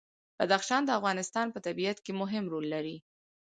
بدخشان د افغانستان په طبیعت کې مهم رول لري.